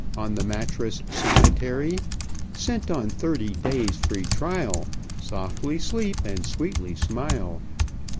On the mattress sanitary Sent on thirty days' free trial Softly sleep and sweetly smile.